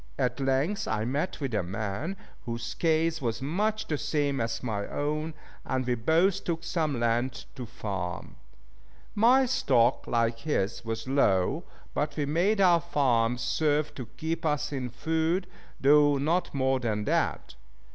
At length I met with a man whose case was much the same as my own, and we both took some land to farm. My stock, like his, was low, but we made our farms serve to keep us in food, though not more than that.